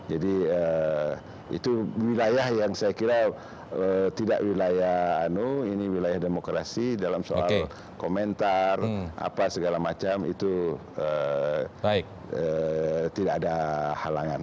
itu wilayah yang saya kira tidak wilayah anu ini wilayah demokrasi dalam soal komentar apa segala macam itu tidak ada halangan